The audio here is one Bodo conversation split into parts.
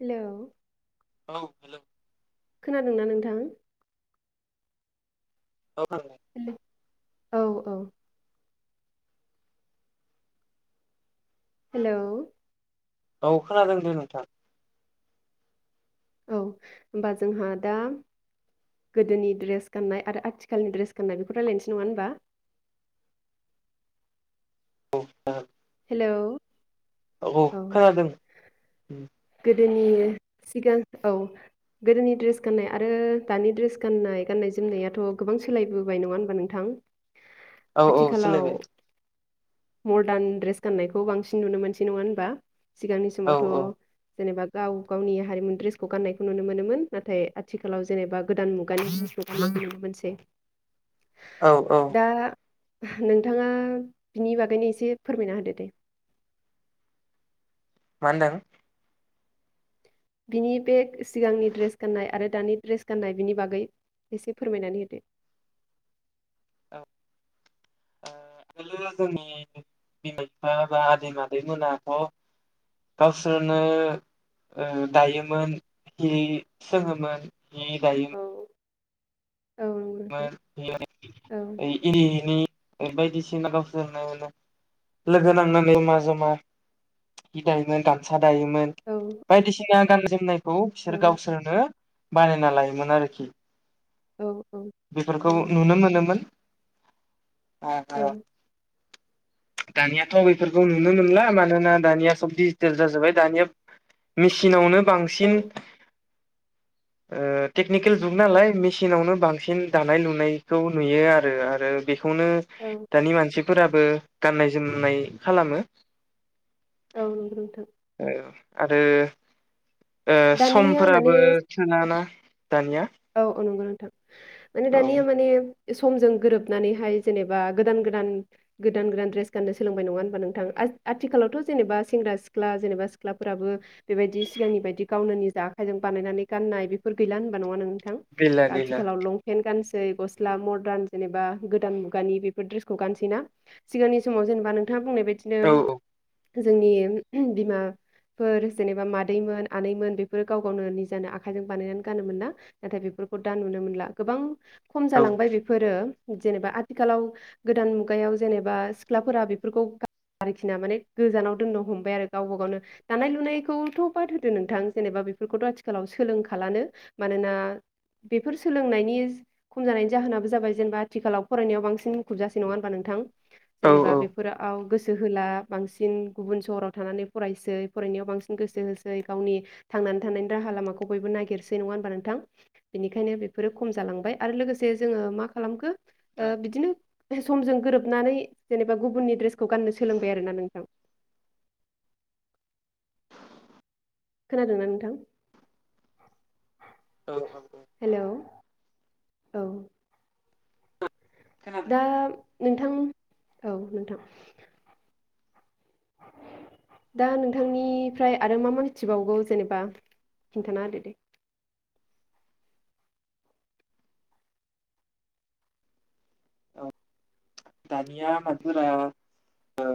हेलौ औ हेलौ खोनादों ना नोंथां औ हेलौ। औ औ हेलौ औ खोनादों दे नोंथां औ होमबा जोंहा दा गोदोनि ड्रेस गाननाय आरो आथिखालनि ड्रेस गान्नाय बेफोरखौ रायज्लायनोसै नङा होमबा? [unintelligible] हेलौ औ खोनादों उम गोदोनि सिगां औ गोदोनि ड्रेस गाननाय आरो दानि ड्रेस गाननाय गाननाय जोमनायाथ गोबां सोलायबोबाय नङा होनबा नोंथां? औ औ सोलायबाय मदारन ड्रेस गान्नायखौ बांसिन नुनो मोनसै नङा होनबा? सिगांनि औ समावथ' औ जेनेबा गाव गावनि हारिमुनि ड्रेसखौ गाननायखौ नुनो मोनोमोन नाथाय आथिखालाव जेनेबा गोदान मुगानि फ्रेस गाननायखौ नुनो मोनसै औ औ दा नोंथाङा बिनि बागैनो एसे फोरमायना होदो दे। मा होनदों बिनि बे सिगांनि ड्रेस गान्नाय आरो दानि ड्रेस गान्नाय बिनि बागै एसे फोरमायनानै होदो औ ओ आगोलो जोंनि बिमा बिफा बा आदै मादै मोनाथ गावसोरनो दायोमोन हि सोङोमोन। हि दायो होदो औ नंगौ [unintelligible] नोंथां नि बायदिसिना गावसोरनो लोगो नांनानै जमा जमा हि दायोमोन‌ गानसा दायोमोन औ औ बायदिसिना गाननाय-जोमनायखौ औ बिसोर गावसोरनो बानायना लायोमोन आरोखि औ औ बेफोरखौ नुनो मोनोमोन। औ [unintelligible] दानियाथ बेफोरखौ नुनो मोनला मानोना दानिया सब डिजिटेल जाजोबबाय दानिया मेसिनावनो औ बांसिन ओ टेकनिकेल जुग नालाय मेसिनावनो बांसिन दानाय लुनायखौ नुयो आरो आरो बे खौनो औ दानि मानसि फोराबो गाननाय-जोमनाय खालामो औ नंगौ नोंथां आरो ओ दानिया माने समफोराबो थोलाना दानिया औ औ नंगौ नोंथां माने औ दानिया माने समजों गोरोबनानैहाय जेनेबा गोदान गोदान गोदान गोदान ड्रेस गाननो सोलोंबाय नङा होनबा नोंथां आथिखालावथ' जे-जेनेबा सेंग्रा सिख्ला जेनेबा सिख्लाफोराबो बेबायदि सिगांनि बायदि गावनो निजा आखाइजों बानायनानै गाननाय बेफोर गैला होनबा नङा नों थां गैला गैला आथिखालाव लंपेन्ट गान ओइ गस्ला मदार्न जेबा गोदान मुगानि बेफोर द्रेसखौ गानसै ना सिगांनि समाव जेनेबा नों नोंथाङा बुंनाय बायदिनो औ जोंनि उम बिमाफोर जेनेबा मादैमोन आनैमोन बेफोरो गाव गावनो निजानो आखाइजों बानायनानै गानोमोना नाथाय बेफोरखौ दा नुनो मोनला गोबां खम औ जालांबाय बेफोरो जेनेबा आथिखालाव गोदान मुगायाव जेनेबा सिख्लाफोरा बेफोरखौ आरोखि ना माने गोजानाव दोननो हमबाय आरो गावबा गावनो दानाय लुनायखौथ' बाद होदो नोंथां जेनेबा बेफोरखौथ' आथिखालाव सोलोंखलानो मानोना बेफोर सोलोंनायनि खम जानायनि जाहोनाबो जाबाय जेनेबा आथिखालाव फरायनायाव बांसिन मुखुब जाससे नङा होनबा नोंथां औ जेनेबा बेफोराव गोसो गोसो होला बांसिन गुबुन सहराव थानानै फरायसै फरायनायाव बांसिन गोसो होसै गावनि थांनानै थानायनि राहा लामाखौ बयबो नागिरसै नङा होनबा नोंथां बेनिखायनो बेफोरो खम जालांबाय आरो लोगोसे जोङो मा खालामखो औ ओ बिदिनो समजों गोरोबनानै जेनेबा गुबुननि ड्रेसखौ गाननो सोलोंबाय आरोना नोंथां खोनादोंना नोंथां औ औ हेलौ औ खोनादों दा नोंथां औ नोंथां दा नोंथांनिफ्राय आरो मा मा मिथिबावगौ जेनेबा खिन्थाना होदो दे औ दानिया [unintelligible] आ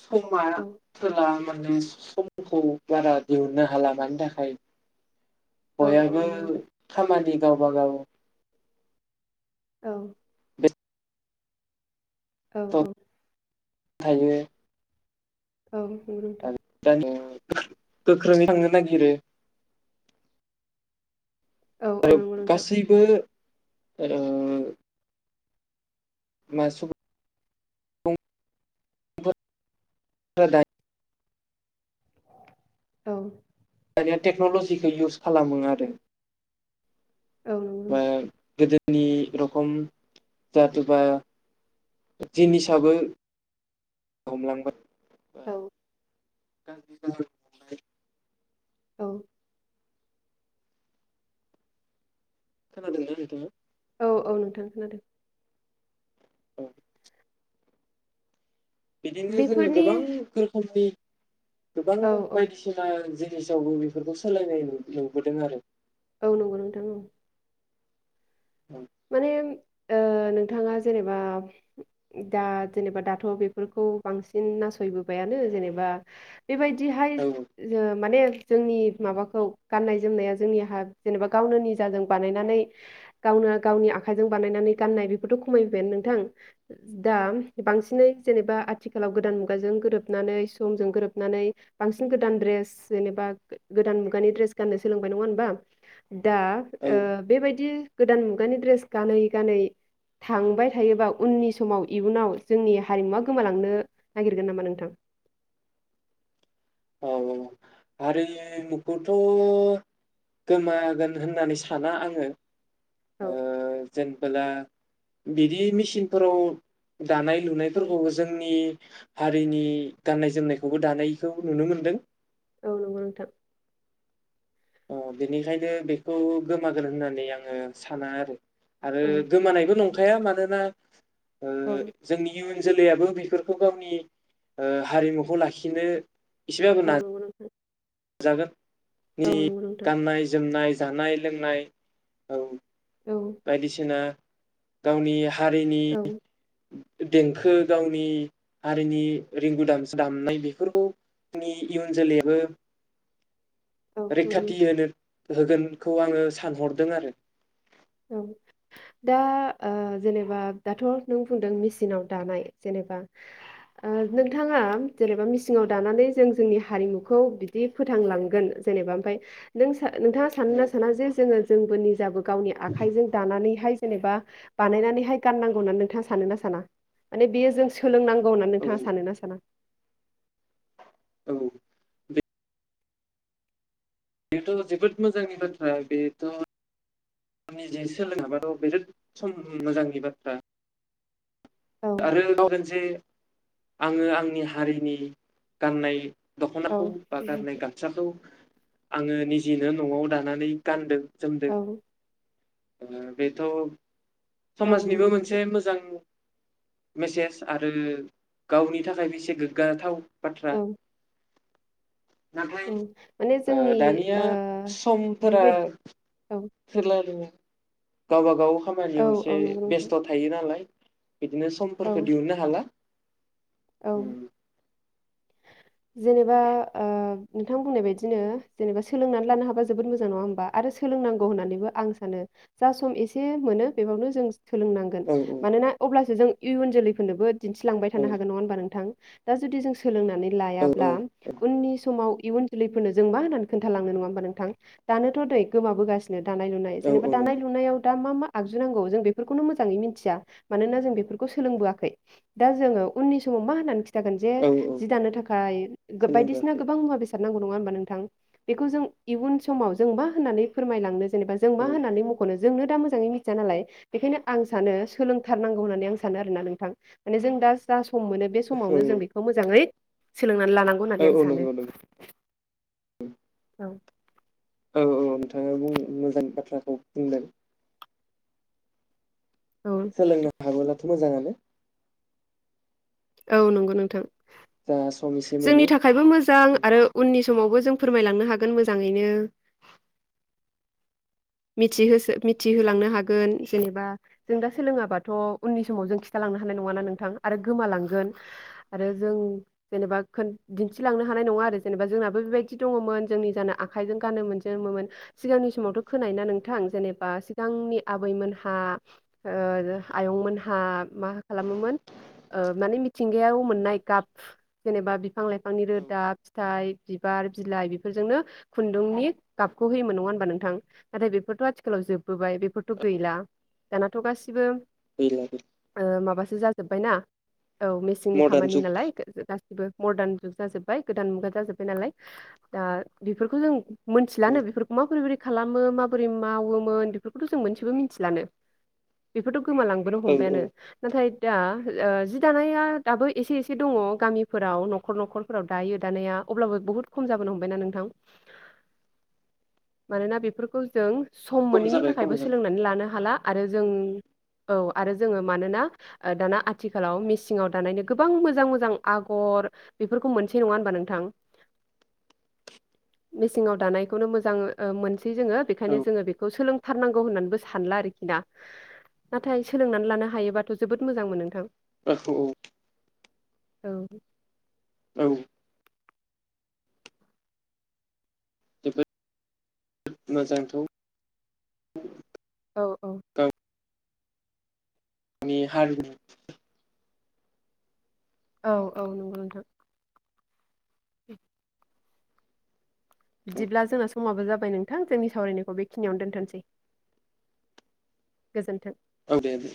समा औ होला माने समखौ बारा दिहुननो हाला मानि थाखाय? औ औ बयबो नंगौ नोंथां खामानि गावबा गाव औ बे औ औ हायो औ नंगौ नोथां दानि [unintelligible] गो [unintelligible] ख्रोङै थांनो नागिरो। औ औ आरो नंगौ नोंथां गासैबो आरो [unintelligible] सुबुंफोरा [inaudible] औ दानिया टेक्न'लजिखौ इउस खालामो आरो औ नंगौ मा नोंथां गोदो नि रोखम जाथोबा जिनिसआबो हमलांबाय औ औ [unintelligible] औ खोनादोंना नोंथाङा? औ औ नोंथां खोनादों। औ बिदिनो जोङो बेफोरनि गोबां [unintelligible] गोबां औ औ बायदिसिना जे सावबो बेफोरखौ सोलायनाय नुबोदों आरो औ नंगौ नोंथां औ माने ओ नोंथाङा जेनेबा दा जेनेबा दाथ' बेफोरखौ बांसिन नासयबोबायानो जेनेबा बेबायदिहाय औ जो माने जोंनि माबाखौ गाननाय जोमनाया जोंनि हा जेनेबा गावनो निजाजों बानायनानै गावनो गावनि आखाइजों बानायनानै गाननाय बेफोरथ' खमायबायानो नोंथां दा बांसिनै जेनेबा आथिखालाव गोदान मुगाजों गोरोबनानै समजों गोरोबनानै बांसिन गोदान ड्रेस जेनेबा गोदान मुगानि ड्रेस गाननो सोलोंबाय नङा हबा दा औ ओ बेबायदि गोदान खुगानि द्रेस गानै गानै थांबाय थायोबा उननि समाव इयुनाव जोंनि हारिमुवा गोमालांनो नागिरगोन नामा नोंथां? औ औ हारिमुखौथ' गोमागोन होननानै साना आङो। औ ओ जेनबोला बिदि मेसिनफोराव दानाय औ लुनायफोरखौ जोंनि हारिनि गाननाय जोमनायखौबो दानायखौ नुनो मोनदों। औ नंगौ नोंथां। अ बेनिखायनो बेखौ गोमागोन होननानै आङो साना आरो आरो औ गोमानायबो नंखाया मानो। मा ओ औ जोंनि ओनसोल लाबो बेफोरखौ गावनि हारिमुखौ लाखिनो औ नंगो नोंथां दा औ जोंनि नंगौ नोंथां गाननाय जोमनाय जानाय लोंनाय औ औ बायदिसिना गावनि हारिनि औ देंखो गावनि हारिनि रिंगु दामसा दामनाय बेफोरखौ जोंनि इयुन जोलैआबो औ नंगौ रैखाथि नोंथां होनो होगोनखौ आङो सानहरदों आरो औ दा ओ जेनेबा दाथ' नों बुंदों मेसिनाव दानाय जेनेबा नोंथाङा जेनेबा मेसिनाव दानानै जों जोंनि हारिमुखौ बिदि फोथांलांगोन जेनेबा ओमफ्राय नों नोंथाङा सानोना साना जे जोङो जोंबो निजाबो गावनि आख आखइजों दानानैहाय जेनेबा बानायनानैहाय गाननांगौ होननानै नोंथङा सानो ना साना माने बेयो जों सोलोंनांगौ [unintelligible] औ नोंथाङा सानो ना साना औ बेथ' जोबोद मोजांनि बाथ्रा बेथ' आं निजे सोलोङाबाथ' बिराद सम मोजांनि बाथ्रा औ आरो [unintelligible] जे आङो आंनि हारिनि गाननाय दख'नाखौ औ बा गाननाय गामसाखौ आङो निजिनो न'आव दानानै गानदों सोमोन्दो औ बेथ' औ समाजनिबो नंगौ नोंथां। मोनसे मोजां मेसेज आरो गावनि थाखायबो एसे गोग्गाथाव बाथ्रा औ नाथाय औ माने ओ जोंनि दानिया ओ समफोरा बेबायदि औ [unintelligible] गावबा गाव औ खामानियाव एसे औ नंगौ नोंथां बेस्थ' थायो नालाय बिदिनो समफोरखौ औ दिहुननो हाला औ उम जेनेबा ओ नोंथां बुंनाय बायदिनो जेनेबा सोलोंनानै लानो हाबा जोबोद मोजां नङा होमबा आरो सोलोंनांगौ होननानैबो आं सानो जा सम एसे मोनो बेआवनो जों सोलोंनांगोन औ मानोना अब्लासो जों इयुन जोलै फोरनोबो औ दिन्थिलांबायानो हागोन नङा होनबा नोंथां दा जुदि जों सोलोंनानै लायाब्ला उननि समाव इयुन जोलैफोरनो जों मा होननानै खोन्थालांनो नङा होमबा नोंथां दानोथ' नै गोमाबोगासिनो दानाय लुनाय औ जेनेबा औ नंगौ दानाय लुनायाव दा मा मा आगजुुनांगौ जों बेफोरखौनो मोजाङै मिथिया मानोना जों बेफोरखौ सोलोंबोआखै दा जोङो उननि समाव मा होननानै [unintelligible] जे औ औ जि दानो थाखाय बायो गो बायदिसिना सोलोंबोआखै गोबां मुवा बेसाद [unintelligible] नङा होनबा नोंथां बेखौ जों इउन समाव जों होननानै फोरमायलांनो जेनेबा जों मा औ होननानै मख'नो जोंनो दा मोजाङै मिथिया नालाय बेखायनो आं सानो सोलोंथारनांगौ होननानै आं सानो आरो ना नोंथां माने जों दा जा सम मोनो बे औ समावनो जों बेखौ मोजाङै मानो लानांगौ होननानै औ आं औ सानो। नंगौ नंगौ औ औ औ नोंथाङा बुं मोजां बाथ्राखौ बुंदों। औ सोलोंनो हाबोला थ' मोजाङानो औ नंगौ नोंथां जा सम एसे जोंनि मोनो थाखायबो मोजां आरो उननि समावबो जों फोरमायलांनो हागोन मोजाङैनो मिथिहोसो मिथिहोलांनो हागोन जेनेबा जों दा सोलोङाबाथ' उननि समाव जों खिथालांनो हानाय नङाना नोंथां आरो गोमालांगोन आरो जों जेनेबा खोन दिन्थिलांनो हानाय नङा आरो जेनेबा जोंनाबो बेबायदि दङमोन जों निजानो आखाइजों गानो मोनजोेमोन सिगांनि समावथ' खोनाय ना नोंथां जेनेबा सिगांनि आबैमोनहा ओ आयंमोनहा मा खालामोमोन ओ माने मिथिंगायाव मोननाय गाब जेनेबा बिफां लाइफांनि रोदा फिथाइ बिबार बिलाइ बेफोरजोंनो खुन्दुंनि गाबखौ होयोमोन नङा होनबा नोंथां नाथाय बेफोरथ' आथिखालाव जोबबोबाय बेफोरथ' गैला दानाथ' गासिबो गैला गैला जाजोबबाय ना औ मेसिंनि मदार्न खामानि जुग नालाय गासिबो मर्दान जुग जाजोबबाय गोदान मुगा जाजोबबाय नालाय दा बेफोरखौ जों मिथिलानो बेफोरखौ माबोरै खालामो माबोरै मावोमोन बेफोरखौथ' जों मोनसेबो मिथिलानो बेफोरथ' गोमालांबोनो औ हमबायानो नाथाय दा ओ जि दानाया दाबो एसे एसे दङ गामिफोराव न'खर न'खरफोराव दायो दानाया अब्लाबो बुहुत खम जाबोनो हमबायना नोंथां मानोना बेफोरखौ जों सम खम मोनैनि जाबाय खम थाखायबो जाबाय सोलोंनानै लानो हाला आरो जों औ आरो जोङो मानोना दाना आथिखालाव मेसिंङाव दानायनि गोबां मोजां मोजां आगर बेफोरखौ मोनसे नङा होनबा नोंथां मेसिंङाव दानायखौनो मोजां ओ मोनसै जोङो बेखायनो औ जोङो बेखौ सोलोंथारनांगौ होननानैबो सानला आरोखि ना नाथाय सोलोंनानै लानो हायोबाथ' जोबोद मोजां मोनो नोंथां। [unintelligible] औ औ जोबोद [inaudible] मोजांथाव औ औ आनि हारिनि औ औ नंगौ नोंथां। औ बिदिब्ला जोंना समावबो जाबाय। जाबाय नोंथां जोंनि सावरायनायखौ बेखिनियावनो दोनथ'सै गोजोन्थों। औ दे दे।